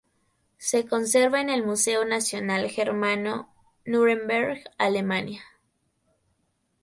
Se conserva en el Museo Nacional Germano, Núremberg, Alemania.